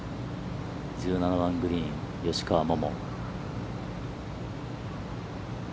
１７番グリーン、吉川桃。